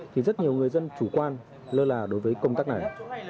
thì rất nhiều người dân chủ quan lơ là đối với công tác này